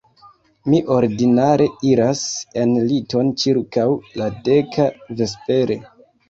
Mi ordinare iras en liton ĉirkaŭ la deka vespere.